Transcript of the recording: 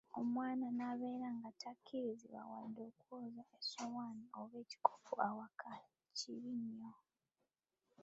Omwana nabeera nga takkirizibwa wadde okwoza essowaani oba ekikopo awaaka! kibi nyo.